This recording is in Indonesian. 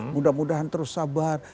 mudah mudahan terus sabar